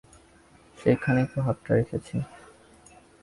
সেজন্যই তো হাতটা রেখেছি।